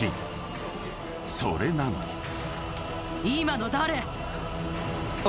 ［それなのに］